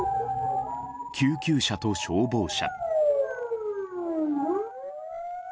救急車と消防車。